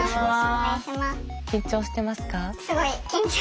緊張してますか？